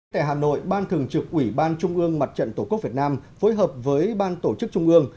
tại hà nội ban thường trực ủy ban trung ương mặt trận tổ quốc việt nam phối hợp với ban tổ chức trung ương